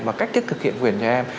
và cách tiết thực hiện quyền trẻ em